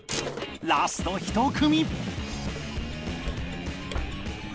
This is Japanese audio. ［ラスト１組］